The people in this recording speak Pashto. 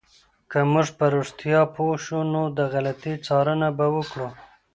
که موږ په رښتیا پوه شو، نو د غلطي څارنه به وکړو.